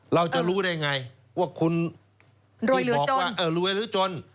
เราจะรู้ได้ไงว่าคุณที่บอกว่ารวยหรือจน